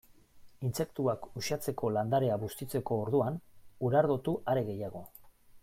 Intsektuak uxatzeko landarea bustitzeko orduan, urardotu are gehiago.